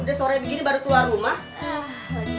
udah sore begini baru keluar rumah